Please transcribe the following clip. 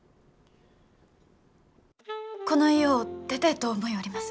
この家を出てえと思ようります。